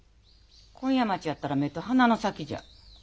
紺屋町やったら目と鼻の先じゃ。